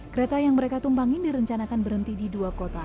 kereta yang mereka tumpangin direncanakan berhenti di dua kota